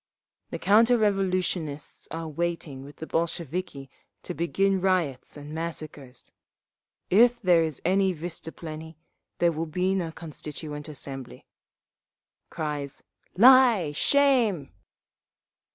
"The counter revolutionists are waiting with the Bolsheviki to begin riots and massacres…. If there is any vystuplennie, there will be no Constituent Assembly…." (Cries, "Lie! Shame!")